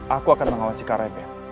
aku akan mengawasi karebel